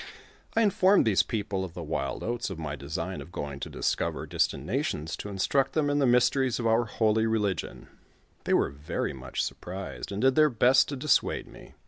I informed these people of the "Wild Oats of my design of going to discover distant nations to instruct them in the mys teries of our Holy Keligion ; they were very much surprised, and did their best to dissuade me.